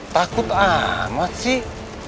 takut amat sih